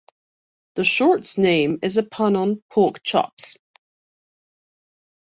The short's name is a pun on "pork chops".